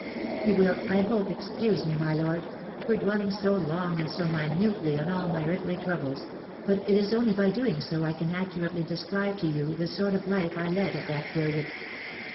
You will, I hope, excuse me, my lord, for dwelling so long and so minutely on all my early troubles, but it is only by so doing I can accurately describe to you the sort of life I led at that period."